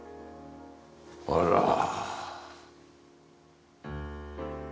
あら。